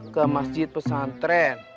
ke masjid pesantren